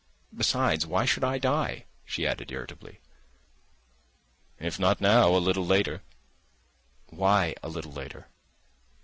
Besides, why should I die?" she added irritably. "If not now, a little later." "Why a little later?"